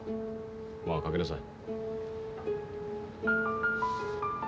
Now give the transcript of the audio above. まあ掛けなさい。